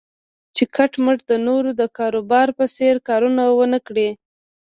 چې کټ مټ د نورو د کاروبار په څېر کارونه و نه کړي.